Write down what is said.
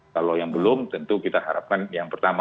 kalau yang belum tentu kita harapkan yang pertama